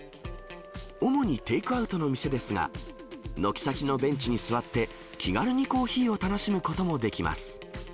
主にテイクアウトの店ですが、軒先のベンチに座って、気軽にコーヒーを楽しむこともできます。